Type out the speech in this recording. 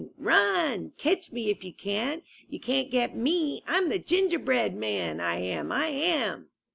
Run! Catch me if you can! You can't get me! Tm the Gingerbread Man, I am! I am!"